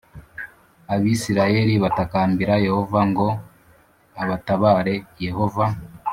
Abisirayeli batakambira Yehova ngo abatabare Yehova